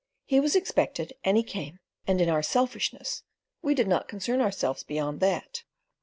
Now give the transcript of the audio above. He was expected, and he came, and in our selfishness we did not concern ourselves beyond that.